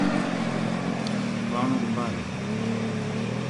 πάω να τον πάρω.